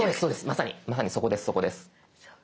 まさにまさにそこですそこです。